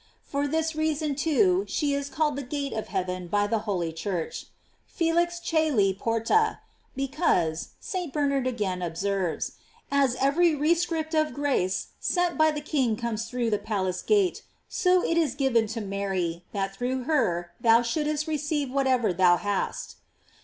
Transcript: * For this reason, too, she is called the gate of heaven by the holy Church: "Felix coeli porta;" because, St. Bernard again observes, as every rescript of grace sent by the king comes through the palace gate, so it is given to Mary, that through her thou shouldst receive whatever thou hast.